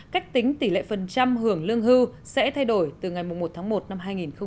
cách tính tỷ lệ phần trăm hưởng lương hưu sẽ thay đổi từ ngày một tháng một năm hai nghìn hai mươi